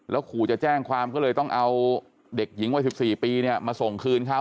ขู่จะแจ้งความก็เลยต้องเอาเด็กหญิงวัย๑๔ปีมาส่งคืนเขา